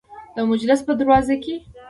د محبس په دروازو کې.